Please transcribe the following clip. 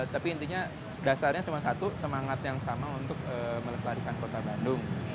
tapi intinya dasarnya cuma satu semangat yang sama untuk melestarikan kota bandung